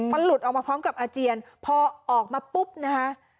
มันหลุดออกมาพร้อมกับอาเจียนพอออกมาปุ๊บนะคะ